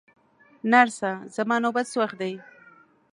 نرسه، زما نوبت څه وخت دی؟